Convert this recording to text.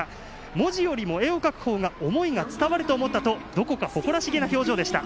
文字よりも絵を描くほうが思いが伝わると思ったとどこか誇らしげな表情でした。